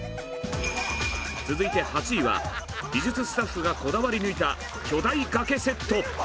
続いて８位は美術スタッフがこだわり抜いた巨大崖セット！